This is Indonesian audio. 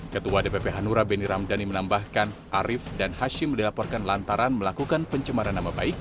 ketua dpp hanura benny ramdhani menambahkan arief dan hashim dilaporkan lantaran melakukan pencemaran nama baik